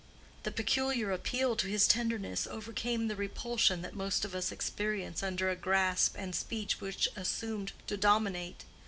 The peculiar appeal to his tenderness overcame the repulsion that most of us experience under a grasp and speech which assumed to dominate.